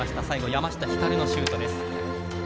最後、山下光のシュートです。